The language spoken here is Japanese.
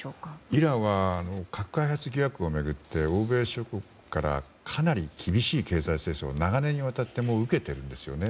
イランは核開発疑惑を巡って欧米諸国から、かなり厳しい経済制裁を長年にわたってもう、受けてるんですよね。